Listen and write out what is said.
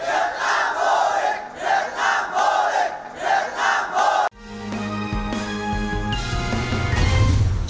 việt nam vô lịch